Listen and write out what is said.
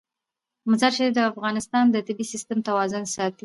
مزارشریف د افغانستان د طبعي سیسټم توازن ساتي.